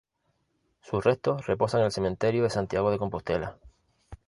Sus restos reposan en el cementerio de Santiago de Compostela.